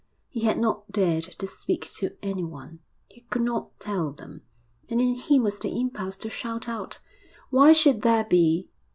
He had not dared to speak to anyone, he could not tell them, and in him was the impulse to shout out, 'Why should there be?'